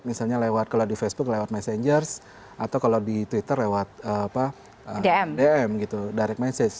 misalnya lewat kalau di facebook lewat messenger atau kalau di twitter lewat dm